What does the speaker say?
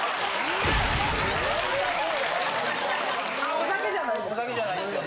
お酒じゃないですよ。